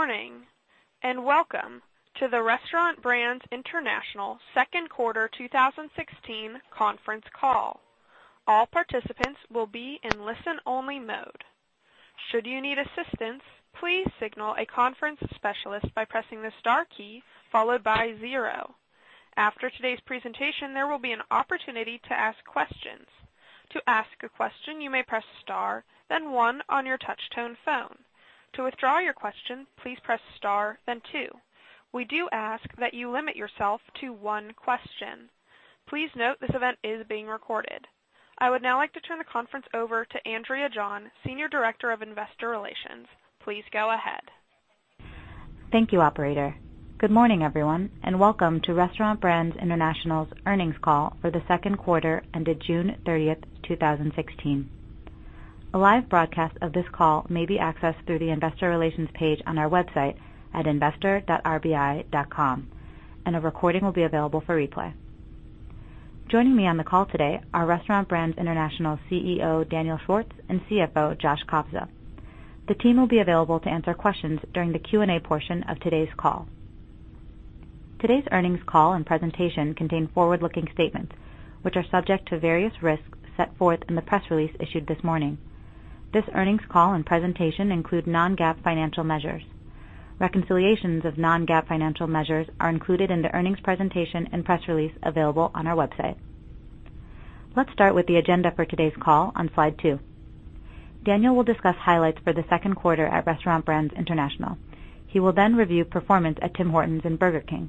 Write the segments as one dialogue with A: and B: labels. A: Good morning, welcome to the Restaurant Brands International second quarter 2016 conference call. All participants will be in listen-only mode. Should you need assistance, please signal a conference specialist by pressing the star key followed by zero. After today's presentation, there will be an opportunity to ask questions. To ask a question, you may press star, then one on your touchtone phone. To withdraw your question, please press star, then two. We do ask that you limit yourself to one question. Please note this event is being recorded. I would now like to turn the conference over to Andrea John, Senior Director of Investor Relations. Please go ahead.
B: Thank you, operator. Good morning, everyone, welcome to Restaurant Brands International's earnings call for the second quarter ended June 30th, 2016. A live broadcast of this call may be accessed through the investor relations page on our website at investor.rbi.com, and a recording will be available for replay. Joining me on the call today are Restaurant Brands International CEO Daniel Schwartz and CFO Josh Kobza. The team will be available to answer questions during the Q&A portion of today's call. Today's earnings call and presentation contain forward-looking statements, which are subject to various risks set forth in the press release issued this morning. This earnings call and presentation include non-GAAP financial measures. Reconciliations of non-GAAP financial measures are included in the earnings presentation and press release available on our website. Let's start with the agenda for today's call on slide two. Daniel will discuss highlights for the second quarter at Restaurant Brands International. He will then review performance at Tim Hortons and Burger King.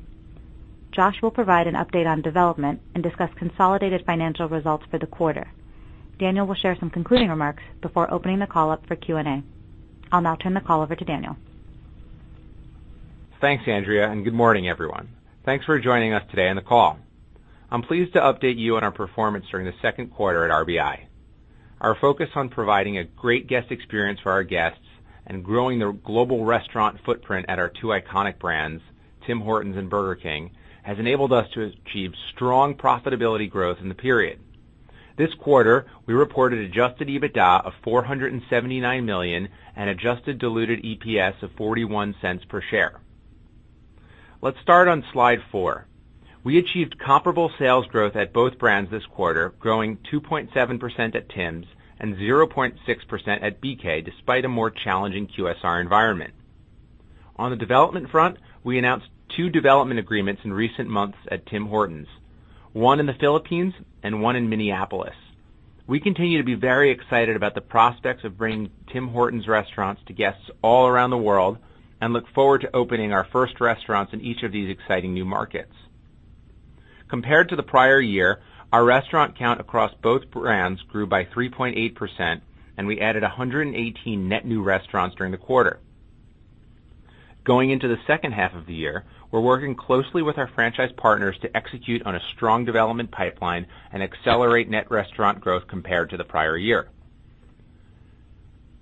B: Josh will provide an update on development and discuss consolidated financial results for the quarter. Daniel will share some concluding remarks before opening the call up for Q&A. I'll now turn the call over to Daniel.
C: Thanks, Andrea, good morning, everyone. Thanks for joining us today on the call. I'm pleased to update you on our performance during the second quarter at RBI. Our focus on providing a great guest experience for our guests and growing the global restaurant footprint at our two iconic brands, Tim Hortons and Burger King, has enabled us to achieve strong profitability growth in the period. This quarter, we reported adjusted EBITDA of 479 million and adjusted diluted EPS of 0.41 per share. Let's start on slide four. We achieved comparable sales growth at both brands this quarter, growing 2.7% at Tim's and 0.6% at BK, despite a more challenging QSR environment. On the development front, we announced two development agreements in recent months at Tim Hortons, one in the Philippines and one in Minneapolis. We continue to be very excited about the prospects of bringing Tim Hortons restaurants to guests all around the world and look forward to opening our first restaurants in each of these exciting new markets. Compared to the prior year, our restaurant count across both brands grew by 3.8%, and we added 118 net new restaurants during the quarter. Going into the second half of the year, we're working closely with our franchise partners to execute on a strong development pipeline and accelerate net restaurant growth compared to the prior year.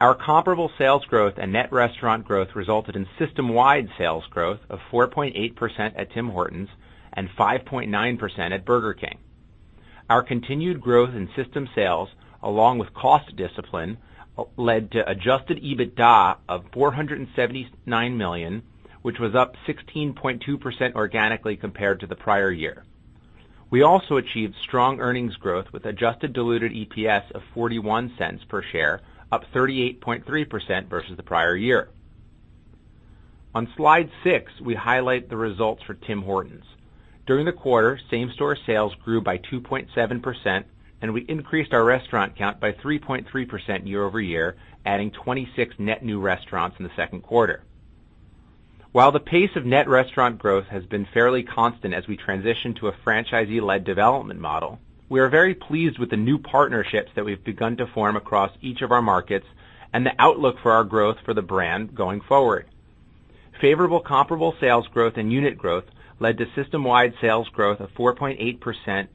C: Our comparable sales growth and net restaurant growth resulted in system-wide sales growth of 4.8% at Tim Hortons and 5.9% at Burger King. Our continued growth in system sales, along with cost discipline, led to adjusted EBITDA of 479 million, which was up 16.2% organically compared to the prior year. We also achieved strong earnings growth with adjusted diluted EPS of 0.41 per share, up 38.3% versus the prior year. On slide six, we highlight the results for Tim Hortons. During the quarter, same-store sales grew by 2.7%, and we increased our restaurant count by 3.3% year over year, adding 26 net new restaurants in the second quarter. While the pace of net restaurant growth has been fairly constant as we transition to a franchisee-led development model, we are very pleased with the new partnerships that we've begun to form across each of our markets and the outlook for our growth for the brand going forward. Favorable comparable sales growth and unit growth led to system-wide sales growth of 4.8%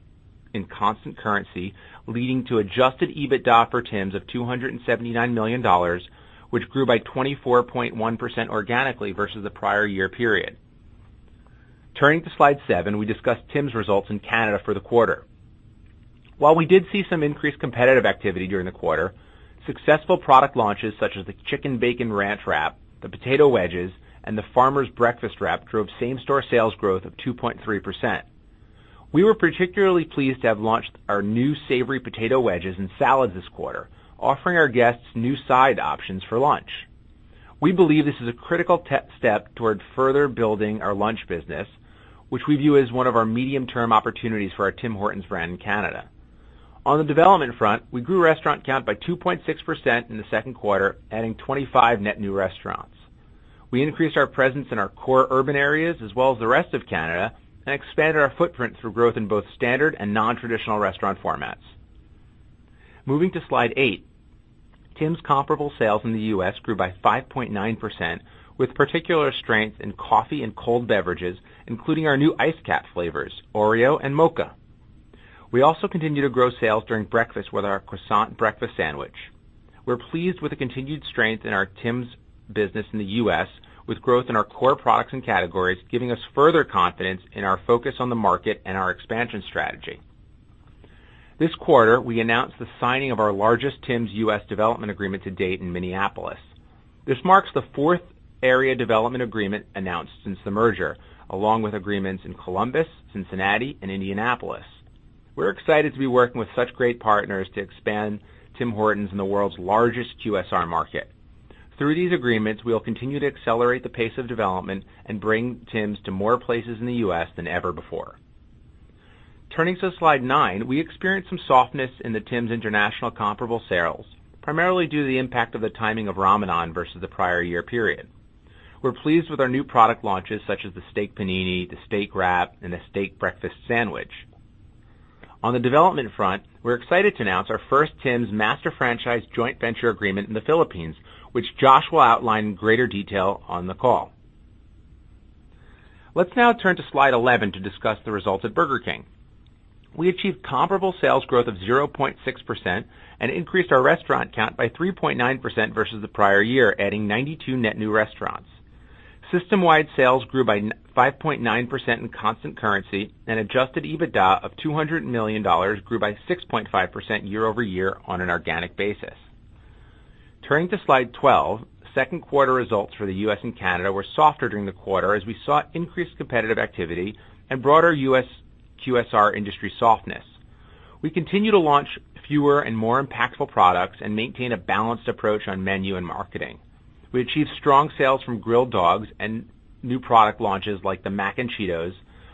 C: in constant currency, leading to adjusted EBITDA for Tim's of 279 million dollars, which grew by 24.1% organically versus the prior year period. Turning to slide seven, we discuss Tim's results in Canada for the quarter. While we did see some increased competitive activity during the quarter, successful product launches such as the Chicken Bacon Ranch Wrap, the Potato Wedges, and the Farmer's Breakfast Wrap drove same-store sales growth of 2.3%. We were particularly pleased to have launched our new savory Potato Wedges and salads this quarter, offering our guests new side options for lunch. We believe this is a critical step toward further building our lunch business, which we view as one of our medium-term opportunities for our Tim Hortons brand in Canada. On the development front, we grew restaurant count by 2.6% in the second quarter, adding 25 net new restaurants. We increased our presence in our core urban areas, as well as the rest of Canada, and expanded our footprint through growth in both standard and non-traditional restaurant formats. Moving to slide eight. Tim's comparable sales in the U.S. grew by 5.9%, with particular strength in coffee and cold beverages, including our new Iced Capp flavors, Oreo and Mocha. We also continue to grow sales during breakfast with our Croissant Breakfast Sandwich. We're pleased with the continued strength in our Tim's business in the U.S., with growth in our core products and categories, giving us further confidence in our focus on the market and our expansion strategy. This quarter, we announced the signing of our largest Tim's U.S. development agreement to date in Minneapolis. This marks the fourth area development agreement announced since the merger, along with agreements in Columbus, Cincinnati, and Indianapolis. We're excited to be working with such great partners to expand Tim Hortons in the world's largest QSR market. Through these agreements, we'll continue to accelerate the pace of development and bring Tim's to more places in the U.S. than ever before. Turning to slide nine, we experienced some softness in the Tim's International comparable sales, primarily due to the impact of the timing of Ramadan versus the prior year period. We're pleased with our new product launches, such as the steak panini, the steak wrap, and the steak breakfast sandwich. On the development front, we're excited to announce our first Tim's master franchise joint venture agreement in the Philippines, which Josh will outline in greater detail on the call. Let's now turn to slide 11 to discuss the results at Burger King. We achieved comparable sales growth of 0.6% and increased our restaurant count by 3.9% versus the prior year, adding 92 net new restaurants. System-wide sales grew by 5.9% in constant currency. Adjusted EBITDA of 200 million dollars grew by 6.5% year-over-year on an organic basis. Turning to slide 12, second quarter results for the U.S. and Canada were softer during the quarter as we saw increased competitive activity and broader U.S. QSR industry softness. We continue to launch fewer and more impactful products and maintain a balanced approach on menu and marketing. We achieved strong sales from Grilled Dogs and new product launches like the Mac n' Cheetos,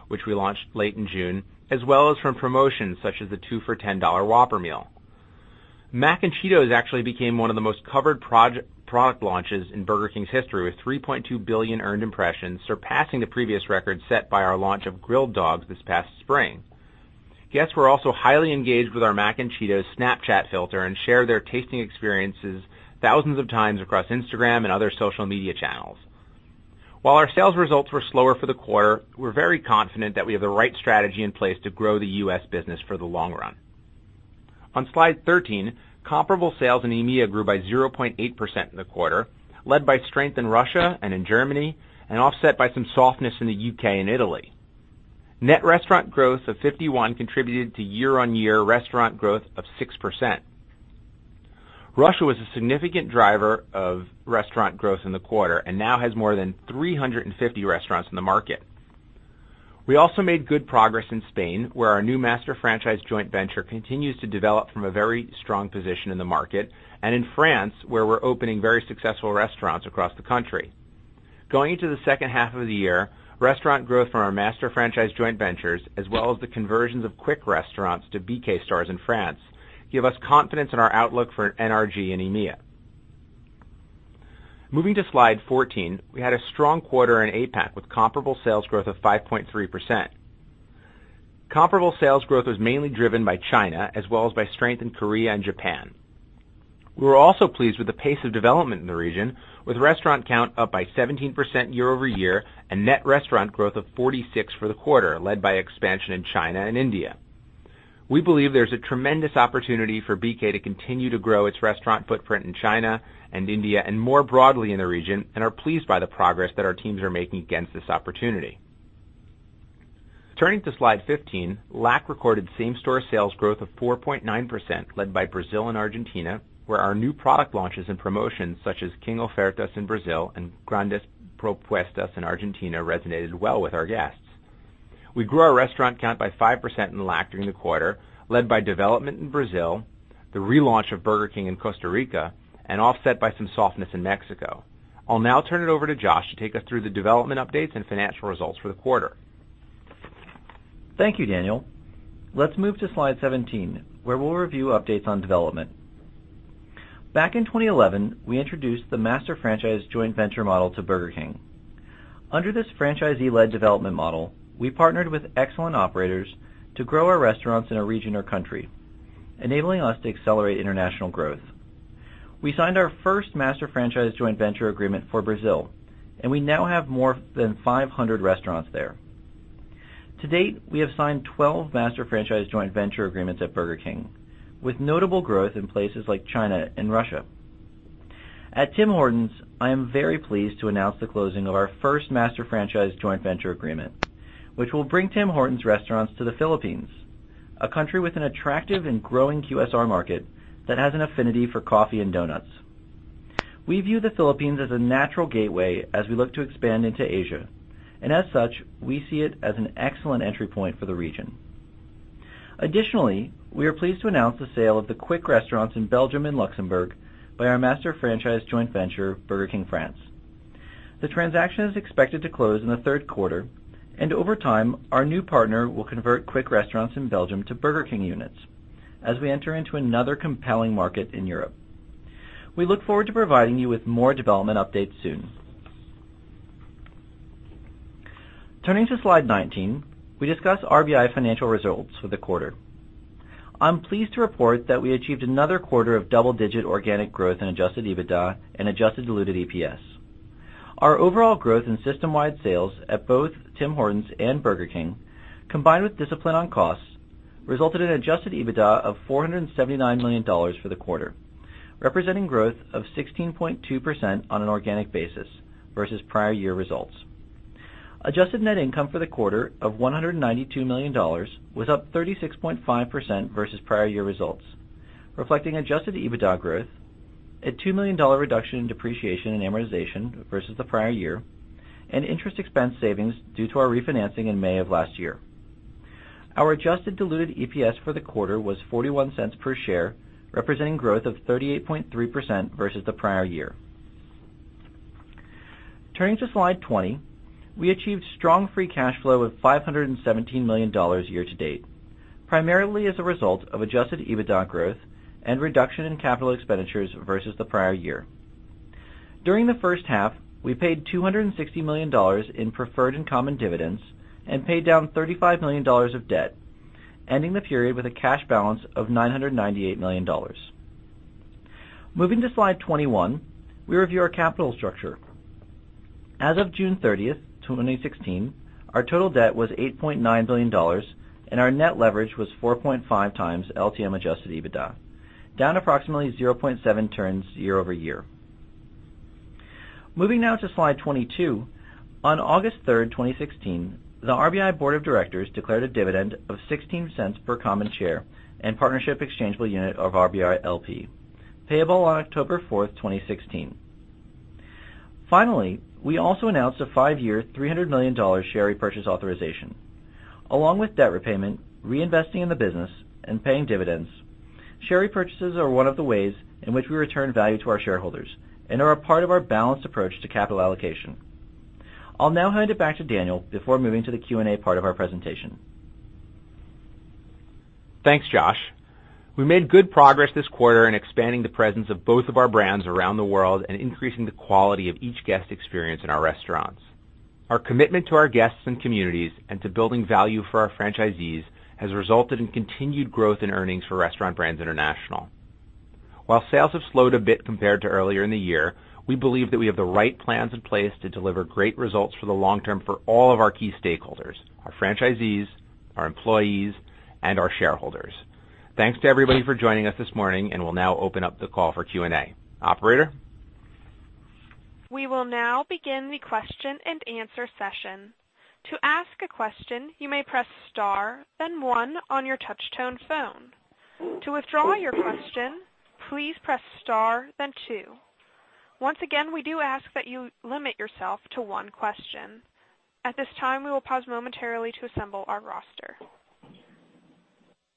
C: which we launched late in June, as well as from promotions such as the two for 10 dollar Whopper meal. Mac n' Cheetos actually became one of the most covered product launches in Burger King's history, with 3.2 billion earned impressions, surpassing the previous record set by our launch of Grilled Dogs this past spring. Guests were also highly engaged with our Mac n' Cheetos Snapchat filter and shared their tasting experiences thousands of times across Instagram and other social media channels. While our sales results were slower for the quarter, we're very confident that we have the right strategy in place to grow the U.S. business for the long run. On slide 13, comparable sales in EMEA grew by 0.8% in the quarter, led by strength in Russia and in Germany, and offset by some softness in the U.K. and Italy. Net restaurant growth of 51 contributed to year-on-year restaurant growth of 6%. Russia was a significant driver of restaurant growth in the quarter and now has more than 350 restaurants in the market. We also made good progress in Spain, where our new master franchise joint venture continues to develop from a very strong position in the market, and in France, where we're opening very successful restaurants across the country. Going into the second half of the year, restaurant growth from our master franchise joint ventures as well as the conversions of Quick restaurants to BK stores in France give us confidence in our outlook for NRG and EMEA. Moving to slide 14, we had a strong quarter in APAC with comparable sales growth of 5.3%. Comparable sales growth was mainly driven by China as well as by strength in Korea and Japan. We were also pleased with the pace of development in the region, with restaurant count up by 17% year-over-year and net restaurant growth of 46 for the quarter, led by expansion in China and India. We believe there's a tremendous opportunity for BK to continue to grow its restaurant footprint in China and India and more broadly in the region and are pleased by the progress that our teams are making against this opportunity. Turning to slide 15, LAC recorded same-store sales growth of 4.9%, led by Brazil and Argentina, where our new product launches and promotions such as King Ofertas in Brazil and Grandes Propuestas in Argentina resonated well with our guests. We grew our restaurant count by 5% in LAC during the quarter, led by development in Brazil, the relaunch of Burger King in Costa Rica, and offset by some softness in Mexico. I'll now turn it over to Josh to take us through the development updates and financial results for the quarter.
D: Thank you, Daniel. Let's move to slide 17, where we'll review updates on development. Back in 2011, we introduced the master franchise joint venture model to Burger King. Under this franchisee-led development model, we partnered with excellent operators to grow our restaurants in a region or country, enabling us to accelerate international growth. We signed our first master franchise joint venture agreement for Brazil, and we now have more than 500 restaurants there. To date, we have signed 12 master franchise joint venture agreements at Burger King, with notable growth in places like China and Russia. At Tim Hortons, I am very pleased to announce the closing of our first master franchise joint venture agreement, which will bring Tim Hortons restaurants to the Philippines, a country with an attractive and growing QSR market that has an affinity for coffee and donuts. We view the Philippines as a natural gateway as we look to expand into Asia. As such, we see it as an excellent entry point for the region. Additionally, we are pleased to announce the sale of the Quick restaurants in Belgium and Luxembourg by our master franchise joint venture, Burger King France. The transaction is expected to close in the third quarter. Over time, our new partner will convert Quick restaurants in Belgium to Burger King units as we enter into another compelling market in Europe. We look forward to providing you with more development updates soon. Turning to slide 19, we discuss RBI financial results for the quarter. I'm pleased to report that we achieved another quarter of double-digit organic growth in adjusted EBITDA and adjusted diluted EPS. Our overall growth in system-wide sales at both Tim Hortons and Burger King, combined with discipline on costs, resulted in adjusted EBITDA of 479 million dollars for the quarter, representing growth of 16.2% on an organic basis versus prior year results. Adjusted net income for the quarter of 192 million dollars was up 36.5% versus prior year results, reflecting adjusted EBITDA growth, a 2 million dollar reduction in depreciation and amortization versus the prior year, Interest expense savings due to our refinancing in May of last year. Our adjusted diluted EPS for the quarter was 0.41 per share, representing growth of 38.3% versus the prior year. Turning to slide 20, we achieved strong free cash flow of 517 million dollars year to date, primarily as a result of adjusted EBITDA growth Reduction in capital expenditures versus the prior year. During the first half, we paid 260 million dollars in preferred and common dividends and paid down 35 million dollars of debt, ending the period with a cash balance of 998 million dollars. Moving to slide 21, we review our capital structure. As of June 30th, 2016, our total debt was 8.9 billion dollars, and our net leverage was 4.5 times LTM adjusted EBITDA, down approximately 0.7 turns year-over-year. Moving now to slide 22. On August 3rd, 2016, the RBI Board of Directors declared a dividend of 0.16 per common share and partnership exchangeable unit of RBILP, payable on October 4th, 2016. Finally, we also announced a five-year, 300 million dollars share repurchase authorization. Along with debt repayment, reinvesting in the business, and paying dividends, share repurchases are one of the ways in which we return value to our shareholders and are a part of our balanced approach to capital allocation. I'll now hand it back to Daniel before moving to the Q&A part of our presentation.
C: Thanks, Josh. We made good progress this quarter in expanding the presence of both of our brands around the world and increasing the quality of each guest experience in our restaurants. Our commitment to our guests and communities and to building value for our franchisees has resulted in continued growth in earnings for Restaurant Brands International. Sales have slowed a bit compared to earlier in the year, we believe that we have the right plans in place to deliver great results for the long term for all of our key stakeholders, our franchisees, our employees, and our shareholders. Thanks to everybody for joining us this morning. We'll now open up the call for Q&A. Operator?
A: We will now begin the question and answer session. To ask a question, you may press star, then one on your touch-tone phone. To withdraw your question, please press star, then two. Once again, we do ask that you limit yourself to one question. At this time, we will pause momentarily to assemble our roster.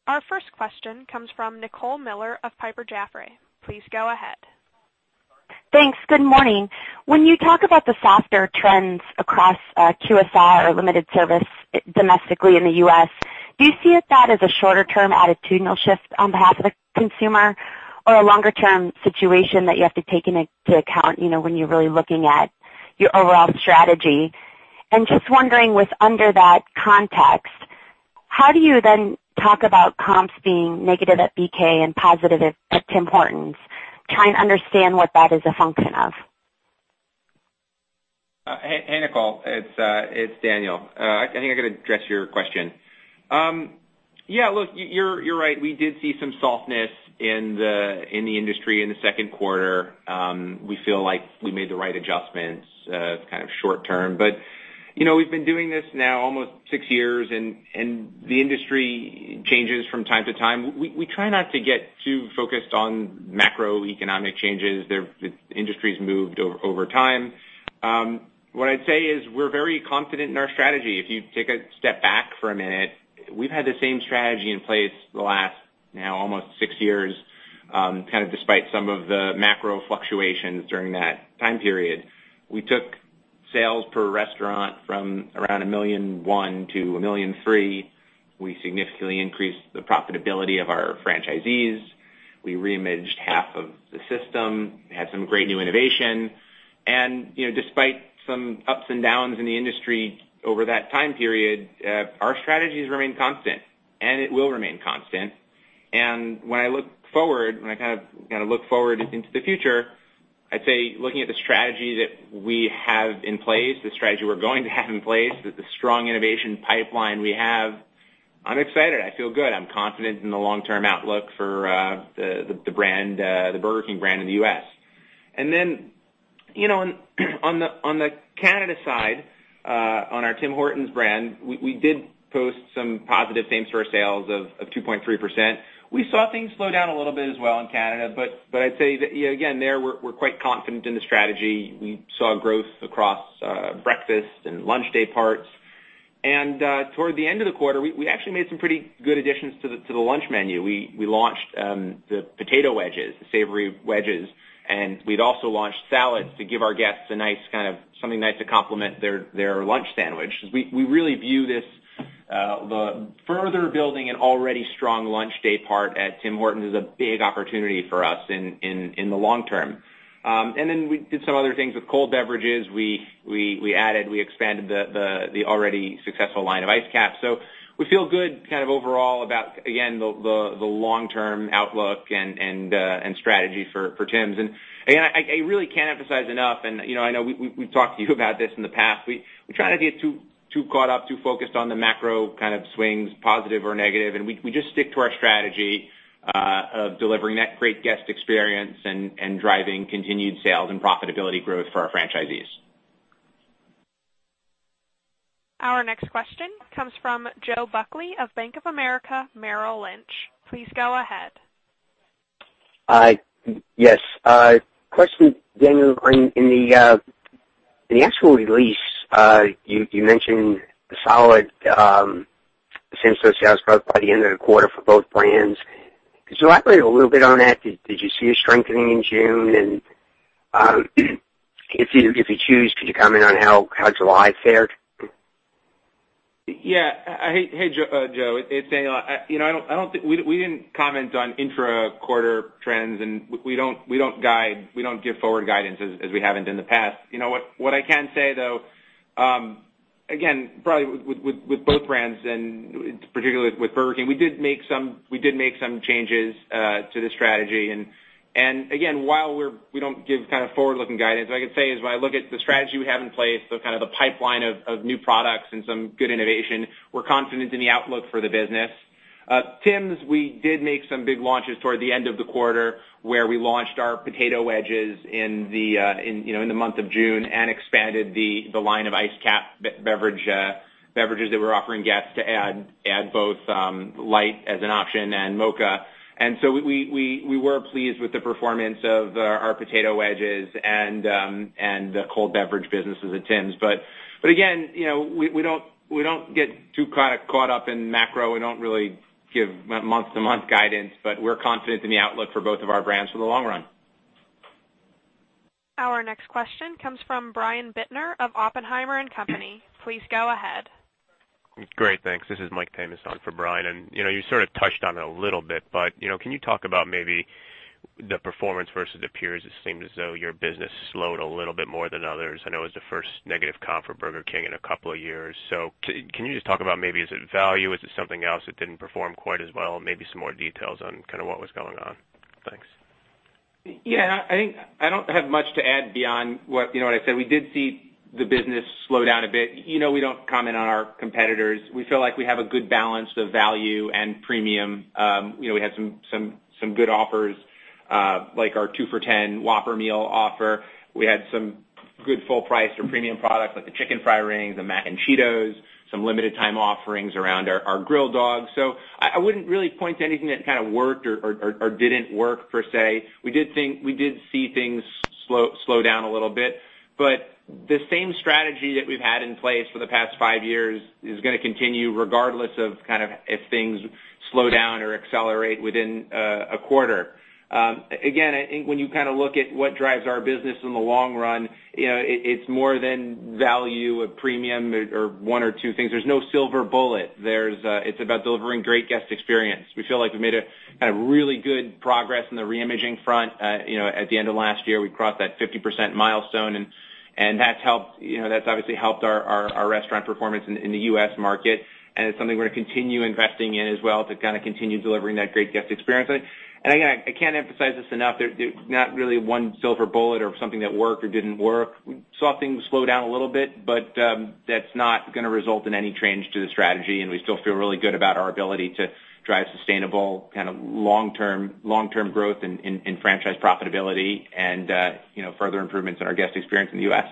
A: Our first question comes from Nicole Miller of Piper Jaffray. Please go ahead.
E: Thanks. Good morning. When you talk about the softer trends across QSR or limited service domestically in the U.S., do you see that as a shorter-term attitudinal shift on behalf of the consumer or a longer-term situation that you have to take into account when you're really looking at your overall strategy? Just wondering with under that context, how do you then talk about comps being negative at BK and positive at Tim Hortons? Trying to understand what that is a function of.
C: Hey, Nicole. It's Daniel. I think I can address your question. Yeah, look, you're right. We did see some softness in the industry in the second quarter. We feel like we made the right adjustments kind of short term, but we've been doing this now almost six years, and the industry changes from time to time. We try not to get too focused on macroeconomic changes. The industry's moved over time. What I'd say is we're very confident in our strategy. If you take a step back for a minute, we've had the same strategy in place the last now almost six years despite some of the macro fluctuations during that time period. We took sales per restaurant from around 1.1 million to 1.3 million. We significantly increased the profitability of our franchisees. We re-imaged half of the system, had some great new innovation, despite some ups and downs in the industry over that time period, our strategy has remained constant, and it will remain constant. When I look forward into the future, I'd say looking at the strategy that we have in place, the strategy we're going to have in place, the strong innovation pipeline we have, I'm excited. I feel good. I'm confident in the long-term outlook for the Burger King brand in the U.S. Then on the Canada side, on our Tim Hortons brand, we did post some positive same-store sales of 2.3%. We saw things slow down a little bit as well in Canada, I'd say that again, there we're quite confident in the strategy. We saw growth across breakfast and lunch day parts. Toward the end of the quarter, we actually made some pretty good additions to the lunch menu. We launched the potato wedges, the savory wedges, and we'd also launched salads to give our guests something nice to complement their lunch sandwich. We really view this further building an already strong lunch day part at Tim Hortons is a big opportunity for us in the long term. Then we did some other things with cold beverages. We expanded the already successful line of Iced Capps. We feel good overall about, again, the long-term outlook and strategy for Tims. I really can't emphasize enough, and I know we've talked to you about this in the past. We try not to get too caught up, too focused on the macro kind of swings, positive or negative, and we just stick to our strategy of delivering that great guest experience and driving continued sales and profitability growth for our franchisees.
A: Our next question comes from Joe Buckley of Bank of America Merrill Lynch. Please go ahead.
F: Yes. Question, Daniel, in the actual release, you mentioned a solid same-store sales growth by the end of the quarter for both brands. Could you elaborate a little bit on that? Did you see a strengthening in June? If you choose, could you comment on how July fared?
C: Yeah. Hey, Joe. It's Daniel. We didn't comment on intra-quarter trends, we don't give forward guidance as we haven't in the past. What I can say, though, again, probably with both brands, particularly with Burger King, we did make some changes to the strategy. Again, while we don't give forward-looking guidance, what I can say is when I look at the strategy we have in place, the pipeline of new products and some good innovation, we're confident in the outlook for the business. Tims, we did make some big launches toward the end of the quarter, where we launched our Potato Wedges in the month of June and expanded the line of Iced Capp beverages that we're offering guests to add both light as an option and mocha. We were pleased with the performance of our Potato Wedges and the cold beverage businesses at Tims. Again, we don't get too caught up in macro. We don't really give month-to-month guidance, we're confident in the outlook for both of our brands for the long run.
A: Our next question comes from Brian Bittner of Oppenheimer and Company. Please go ahead.
G: Great. Thanks. This is Michael Tamas on for Brian. You sort of touched on it a little bit, can you talk about maybe the performance versus the peers? It seemed as though your business slowed a little bit more than others. I know it was the first negative comp for Burger King in a couple of years. Can you just talk about maybe is it value? Is it something else that didn't perform quite as well? Maybe some more details on what was going on. Thanks.
C: Yeah, I don't have much to add beyond what I said. We did see the business slow down a bit. We don't comment on our competitors. We feel like we have a good balance of value and premium. We had some good offers, like our two for 10 Whopper meal offer. We had some good full price or premium products, like the Chicken Fries Rings, the Mac n' Cheetos, some limited time offerings around our Grilled Dogs. I wouldn't really point to anything that kind of worked or didn't work, per se. We did see things slow down a little bit, the same strategy that we've had in place for the past five years is going to continue regardless of if things slow down or accelerate within a quarter. I think when you look at what drives our business in the long run, it's more than value or premium or one or two things. There's no silver bullet. It's about delivering great guest experience. We feel like we made really good progress in the re-imaging front. At the end of last year, we crossed that 50% milestone, and that's obviously helped our restaurant performance in the US market, and it's something we're going to continue investing in as well to continue delivering that great guest experience. I can't emphasize this enough, there's not really one silver bullet or something that worked or didn't work. We saw things slow down a little bit, that's not going to result in any change to the strategy, we still feel really good about our ability to drive sustainable long-term growth in franchise profitability and further improvements in our guest experience in the US.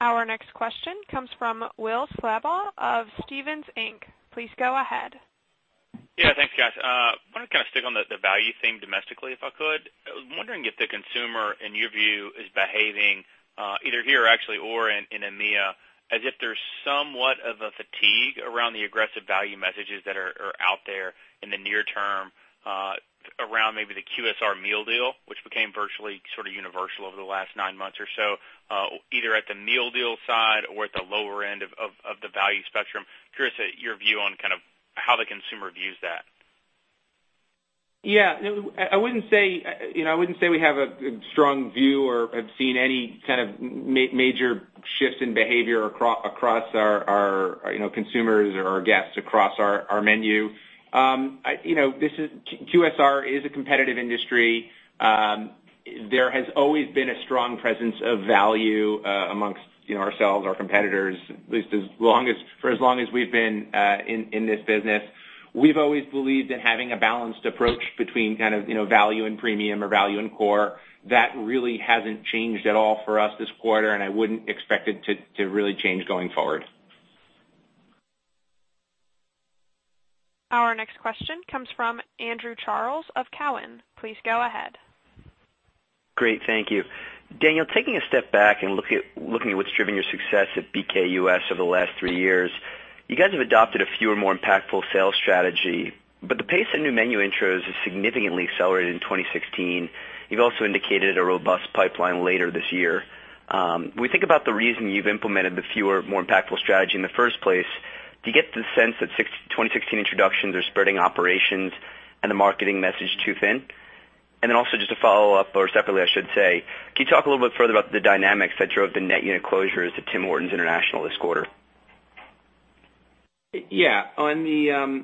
A: Our next question comes from Will Slabaugh of Stephens Inc. Please go ahead.
H: Yeah, thanks guys. I want to stick on the value theme domestically, if I could. I was wondering if the consumer, in your view, is behaving, either here actually or in EMEA, as if there's somewhat of a fatigue around the aggressive value messages that are out there in the near term around maybe the QSR meal deal, which became virtually universal over the last nine months or so, either at the meal deal side or at the lower end of the value spectrum. Curious at your view on how the consumer views that.
C: Yeah. I wouldn't say we have a strong view or have seen any kind of major shift in behavior across our consumers or our guests across our menu. QSR is a competitive industry. There has always been a strong presence of value amongst ourselves, our competitors, at least for as long as we've been in this business. We've always believed in having a balanced approach between value and premium or value and core. That really hasn't changed at all for us this quarter, and I wouldn't expect it to really change going forward.
A: Our next question comes from Andrew Charles of Cowen. Please go ahead.
I: Great. Thank you. Daniel, taking a step back and looking at what's driven your success at BK U.S. over the last three years, you guys have adopted a fewer, more impactful sales strategy, but the pace of new menu intros has significantly accelerated in 2016. You've also indicated a robust pipeline later this year. When we think about the reason you've implemented the fewer, more impactful strategy in the first place, do you get the sense that 2016 introductions are spreading operations and the marketing message too thin? Also just to follow up, or separately I should say, can you talk a little bit further about the dynamics that drove the net unit closures at Tim Hortons International this quarter?
C: Yeah. On the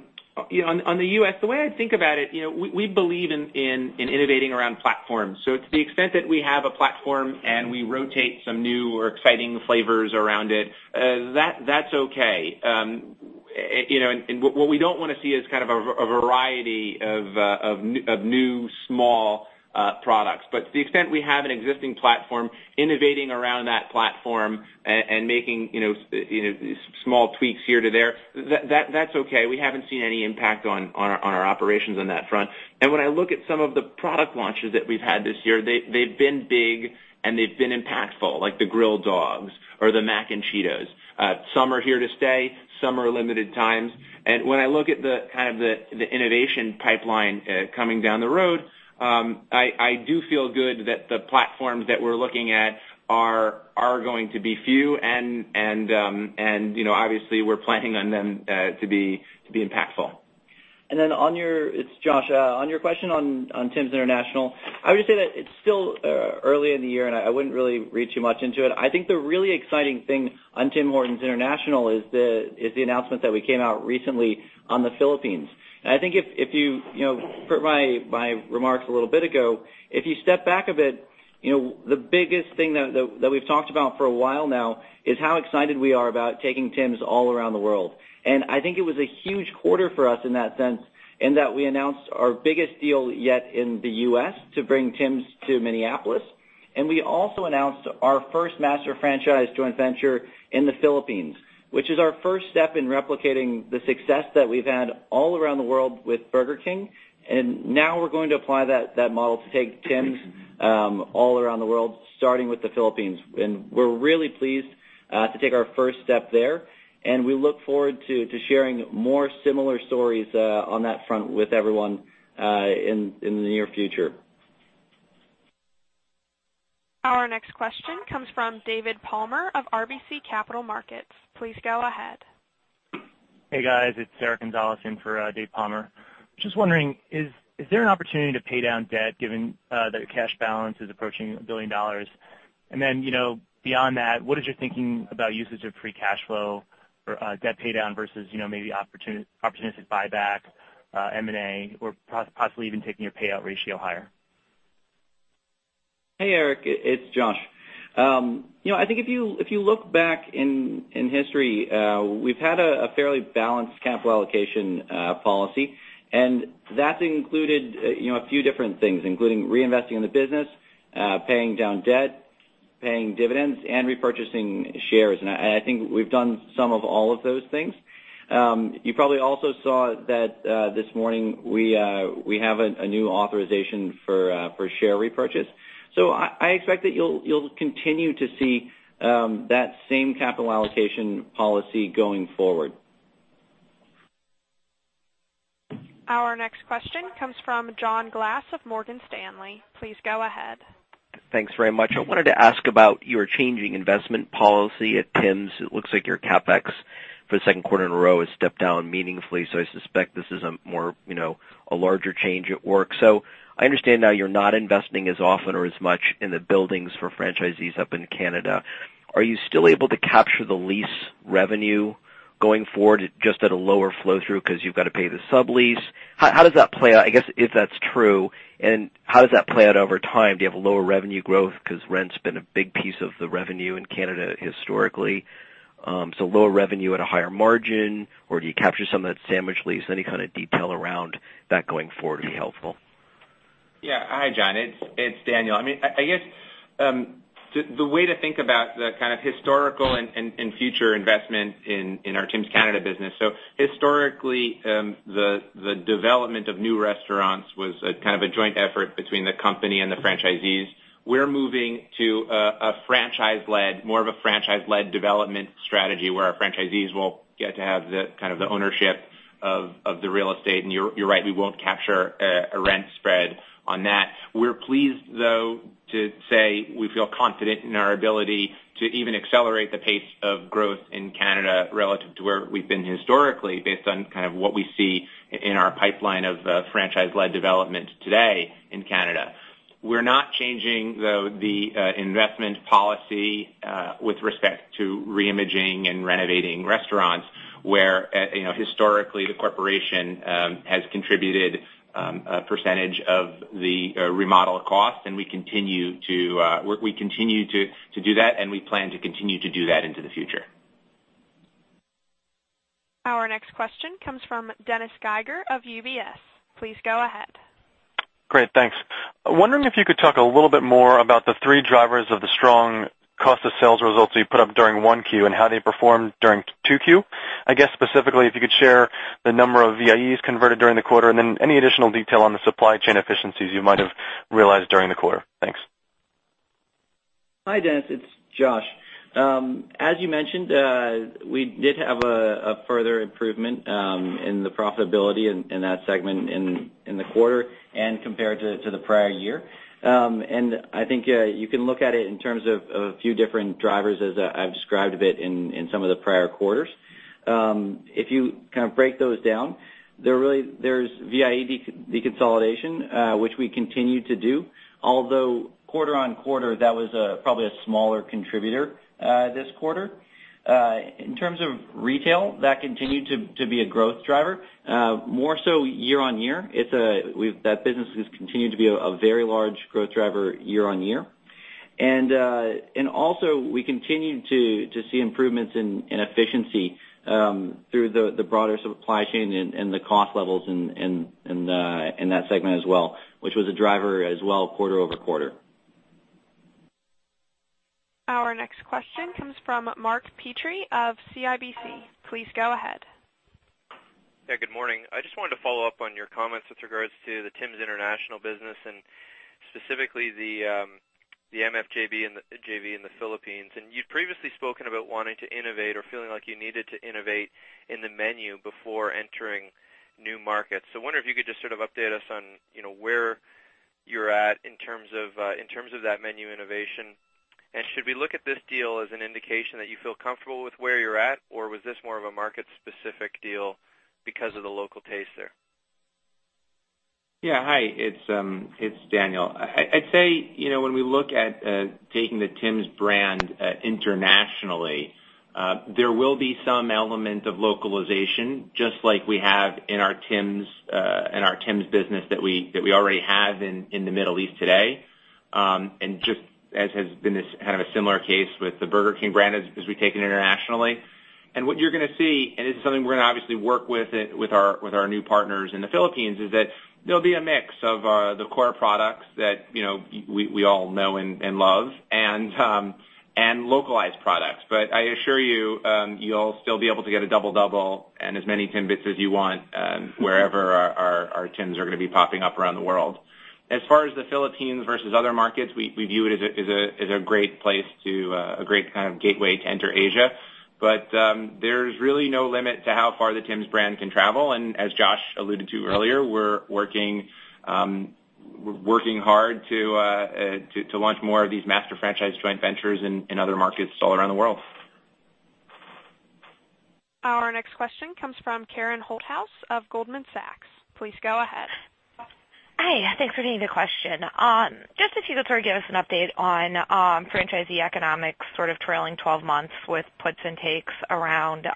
C: U.S., the way I think about it, we believe in innovating around platforms. To the extent that we have a platform and we rotate some new or exciting flavors around it, that's okay. What we don't want to see is kind of a variety of new small products. To the extent we have an existing platform, innovating around that platform and making small tweaks here to there, that's okay. We haven't seen any impact on our operations on that front. When I look at some of the product launches that we've had this year, they've been big, and they've been impactful, like the Grilled Dogs or the Mac n' Cheetos. Some are here to stay, some are limited times. When I look at the innovation pipeline coming down the road, I do feel good that the platforms that we're looking at are going to be few and obviously we're planning on them to be impactful.
D: It's Josh, on your question on Tim's International, I would just say that it's still early in the year, and I wouldn't really read too much into it. I think the really exciting thing on Tim Hortons International is the announcement that we came out recently on the Philippines. I think if you put my remarks a little bit ago, if you step back a bit, the biggest thing that we've talked about for a while now is how excited we are about taking Tim's all around the world. I think it was a huge quarter for us in that sense, in that we announced our biggest deal yet in the U.S. to bring Tim's to Minneapolis. We also announced our first master franchise joint venture in the Philippines, which is our first step in replicating the success that we've had all around the world with Burger King. Now we're going to apply that model to take Tim's all around the world, starting with the Philippines. We're really pleased to take our first step there, and we look forward to sharing more similar stories on that front with everyone in the near future.
A: Our next question comes from David Palmer of RBC Capital Markets. Please go ahead.
J: Hey, guys. It's Eric Gonzalez in for Dave Palmer. Just wondering, is there an opportunity to pay down debt given that your cash balance is approaching 1 billion dollars? Beyond that, what is your thinking about usage of free cash flow for debt pay down versus maybe opportunistic buyback, M&A, or possibly even taking your payout ratio higher?
D: Hey, Eric. It's Josh. I think if you look back in history, we've had a fairly balanced capital allocation policy, and that's included a few different things, including reinvesting in the business, paying down debt, paying dividends, and repurchasing shares. I think we've done some of all of those things. You probably also saw that this morning we have a new authorization for share repurchase. I expect that you'll continue to see that same capital allocation policy going forward.
A: Our next question comes from John Glass of Morgan Stanley. Please go ahead.
K: Thanks very much. I wanted to ask about your changing investment policy at Tim's. It looks like your CapEx for the second quarter in a row has stepped down meaningfully, so I suspect this is a larger change at work. I understand now you're not investing as often or as much in the buildings for franchisees up in Canada. Are you still able to capture the lease revenue going forward just at a lower flow through because you've got to pay the sublease? How does that play out, I guess, if that's true, and how does that play out over time? Do you have a lower revenue growth because rent's been a big piece of the revenue in Canada historically? Lower revenue at a higher margin, or do you capture some of that sandwich lease? Any kind of detail around that going forward would be helpful.
C: Hi, John. It's Daniel. I guess the way to think about the kind of historical and future investment in our Tim's Canada business. Historically, the development of new restaurants was a kind of a joint effort between the company and the franchisees. We're moving to more of a franchise-led development strategy where our franchisees will get to have the ownership of the real estate, and you're right, we won't capture a rent spread on that. We're pleased, though, to say we feel confident in our ability to even accelerate the pace of growth in Canada relative to where we've been historically based on kind of what we see in our pipeline of franchise-led development today in Canada. We're not changing, though, the investment policy with respect to reimaging and renovating restaurants, where historically the corporation has contributed a percentage of the remodel cost, and we continue to do that, and we plan to continue to do that into the future.
A: Our next question comes from Dennis Geiger of UBS. Please go ahead.
L: Great. Thanks. Wondering if you could talk a little bit more about the three drivers of the strong cost of sales results that you put up during one Q and how they performed during two Q. I guess specifically, if you could share the number of VIEs converted during the quarter, and then any additional detail on the supply chain efficiencies you might have realized during the quarter. Thanks.
D: Hi, Dennis. It's Josh. As you mentioned, we did have a further improvement in the profitability in that segment in the quarter and compared to the prior year. I think you can look at it in terms of a few different drivers as I've described a bit in some of the prior quarters. If you break those down, there's VIE deconsolidation, which we continue to do, although quarter-on-quarter, that was probably a smaller contributor this quarter. In terms of retail, that continued to be a growth driver. More so year-on-year, that business has continued to be a very large growth driver year-on-year. Also, we continue to see improvements in efficiency through the broader supply chain and the cost levels in that segment as well, which was a driver as well quarter-over-quarter.
A: Our next question comes from Mark Petrie of CIBC. Please go ahead.
M: Yeah, good morning. I just wanted to follow up on your comments with regards to the Tims International business and specifically the MFJV in the Philippines. You'd previously spoken about wanting to innovate or feeling like you needed to innovate in the menu before entering new markets. I wonder if you could just update us on where you're at in terms of that menu innovation, and should we look at this deal as an indication that you feel comfortable with where you're at, or was this more of a market-specific deal because of the local taste there?
C: Hi, it's Daniel. I'd say, when we look at taking the Tims brand internationally, there will be some element of localization, just like we have in our Tims business that we already have in the Middle East today. Just as has been this kind of a similar case with the Burger King brand as we take it internationally. What you're going to see, and this is something we're going to obviously work with our new partners in the Philippines, is that there'll be a mix of the core products that we all know and love and localized products. I assure you'll still be able to get a Double Double and as many Timbits as you want wherever our Tims are going to be popping up around the world. As far as the Philippines versus other markets, we view it as a great kind of gateway to enter Asia. There's really no limit to how far the Tims brand can travel, and as Josh alluded to earlier, we're working hard to launch more of these master franchise joint ventures in other markets all around the world.
A: Our next question comes from Karen Holthouse of Goldman Sachs. Please go ahead.
N: Hi. Thanks for taking the question. Just if you could sort of give us an update on franchisee economics, sort of trailing 12 months with puts and takes around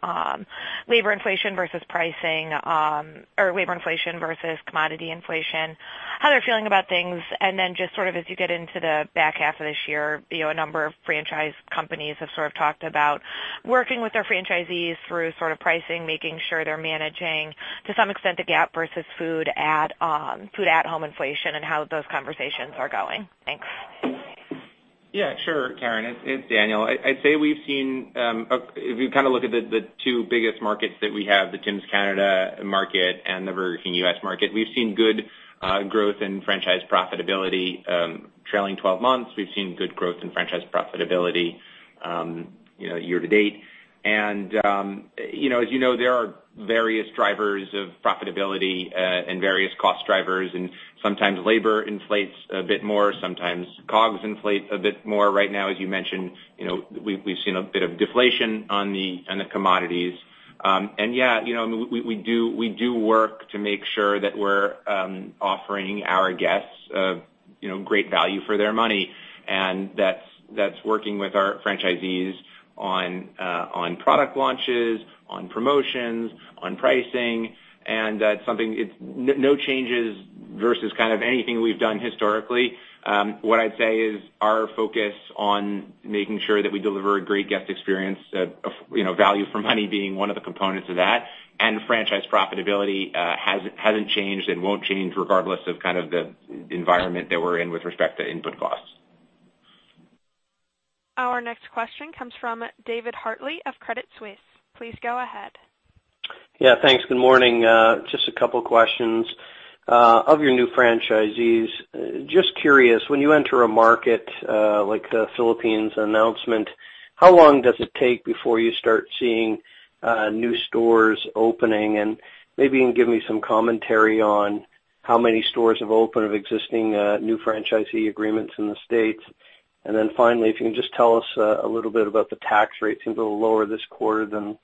N: labor inflation versus pricing, or labor inflation versus commodity inflation, how they're feeling about things, and then just sort of as you get into the back half of this year, a number of franchise companies have sort of talked about working with their franchisees through sort of pricing, making sure they're managing to some extent the gap versus food at home inflation and how those conversations are going. Thanks.
C: Yeah, sure, Karen, it's Daniel. I'd say if you kind of look at the two biggest markets that we have, the Tims Canada market and the Burger King U.S. market, we've seen good growth in franchise profitability trailing 12 months. We've seen good growth in franchise profitability year to date. As you know, there are various drivers of profitability and various cost drivers, and sometimes labor inflates a bit more, sometimes COGS inflate a bit more. Right now, as you mentioned, we've seen a bit of deflation on the commodities. Yeah, we do work to make sure that we're offering our guests great value for their money, and that's working with our franchisees on product launches, on promotions, on pricing, and that's something, no changes versus kind of anything we've done historically. What I'd say is our focus on making sure that we deliver a great guest experience, value for money being one of the components of that, and franchise profitability hasn't changed and won't change regardless of kind of the environment that we're in with respect to input costs.
A: Our next question comes from David Hartley of Credit Suisse. Please go ahead.
O: Yeah, thanks. Good morning. Just a couple of questions. Of your new franchisees, just curious, when you enter a market like the Philippines announcement, how long does it take before you start seeing new stores opening? Maybe you can give me some commentary on how many stores have opened of existing new franchisee agreements in the U.S. Finally, if you can just tell us a little bit about the tax rate, seems a little lower this quarter than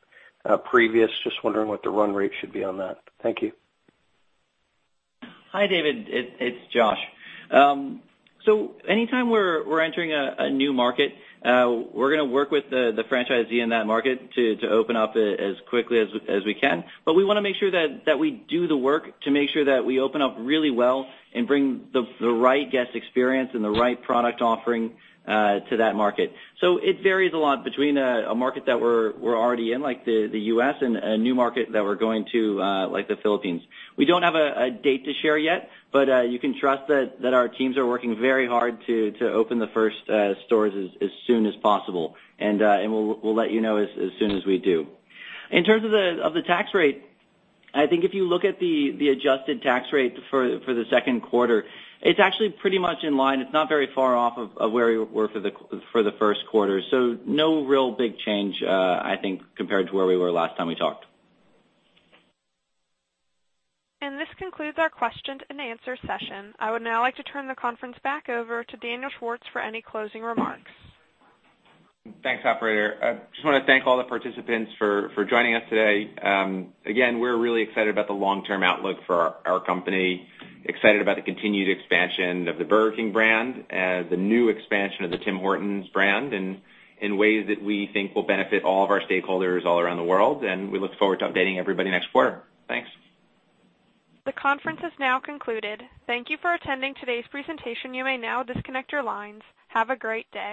O: previous. Just wondering what the run rate should be on that. Thank you.
D: Hi, David. It's Josh. Anytime we're entering a new market, we're going to work with the franchisee in that market to open up as quickly as we can. We want to make sure that we do the work to make sure that we open up really well and bring the right guest experience and the right product offering to that market. It varies a lot between a market that we're already in, like the U.S., and a new market that we're going to like the Philippines. We don't have a date to share yet, but you can trust that our teams are working very hard to open the first stores as soon as possible. We'll let you know as soon as we do. In terms of the tax rate, I think if you look at the adjusted tax rate for the second quarter, it's actually pretty much in line. It's not very far off of where we were for the first quarter. No real big change, I think, compared to where we were last time we talked.
A: This concludes our question and answer session. I would now like to turn the conference back over to Daniel Schwartz for any closing remarks.
C: Thanks, operator. I just want to thank all the participants for joining us today. Again, we're really excited about the long-term outlook for our company, excited about the continued expansion of the Burger King brand, the new expansion of the Tim Hortons brand, in ways that we think will benefit all of our stakeholders all around the world. We look forward to updating everybody next quarter. Thanks.
A: The conference has now concluded. Thank you for attending today's presentation. You may now disconnect your lines. Have a great day.